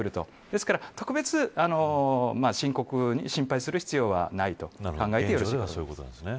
ですから、特別深刻に心配をする必要はないと考えてよろしいかと思います。